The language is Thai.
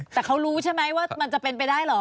แต่เขารู้ใช่ไหมว่ามันจะเป็นไปได้เหรอ